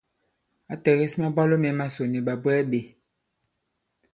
Ǎ tɛ̀gɛs mabwalo mē masò nì ɓàbwɛɛ ɓē.